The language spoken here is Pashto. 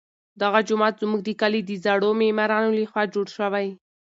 دغه جومات زموږ د کلي د زړو معمارانو لخوا جوړ شوی.